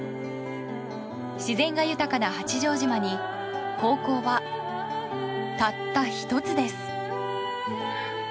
自然が豊かな八丈島に高校は、たった１つです。